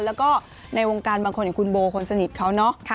แล้วก็ในวงการบางคนอย่างคุณโบคนสนิทเขาเนอะ